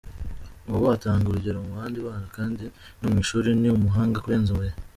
Ubu atanga urugero mu bandi bana, kandi no mu ishuri ni umuhanga kurenza mbere”.